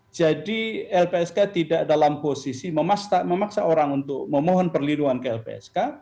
jadi lpsk tidak dalam posisi memaksa orang untuk memohon perlindungan ke lpsk